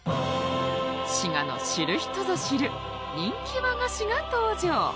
滋賀の知る人ぞ知る人気和菓子が登場！